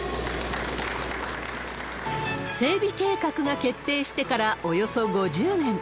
整備計画が決定してからおよそ５０年。